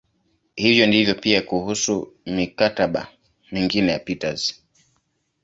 Hivyo ndivyo pia kuhusu "mikataba" mingine ya Peters.